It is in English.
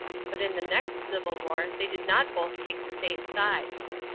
But in the next civil war, they did not both take the same side.